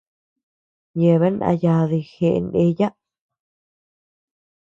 Yebeanu naa yaadi jeʼe ndeyaa.